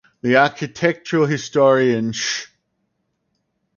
The architectural historian Sh.